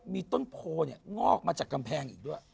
มีต้นโพเนี่ยงอกมาจากกำแพงอีกด้วย